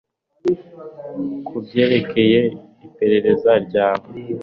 Kubyerekeye iperereza ryawe